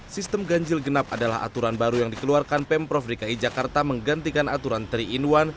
sistem ganjil genap adalah aturan baru yang dikeluarkan pemprov dki jakarta menggantikan aturan tiga in satu